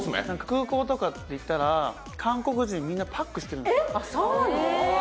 空港とか行ったら韓国人みんなパックしてるんですよそうなの？